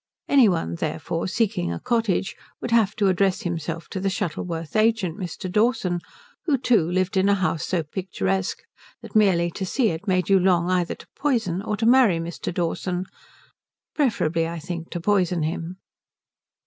Any one, therefore, seeking a cottage would have to address himself to the Shuttleworth agent, Mr. Dawson, who too lived in a house so picturesque that merely to see it made you long either to poison or to marry Mr. Dawson preferably, I think, to poison him.